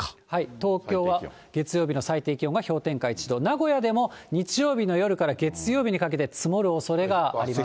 東京は月曜日の最低気温が氷点下１度、名古屋でも、日曜日の夜から月曜日にかけてつもるおそれがあります。